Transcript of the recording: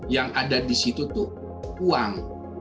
yang ada di situ tuh uang